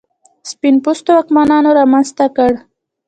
سپین پوستو واکمنانو رامنځته کړ.